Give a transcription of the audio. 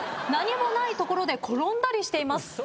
何もない所で転んだりしています。